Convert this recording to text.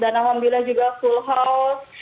dan alhamdulillah juga full house